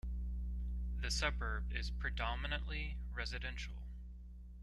The suburb is predominantly residential.